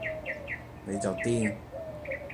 你就癲